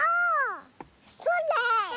それ！